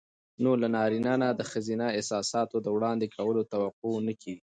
نو له نارينه نه د ښځينه احساساتو د وړاندې کولو توقع نه کېږي.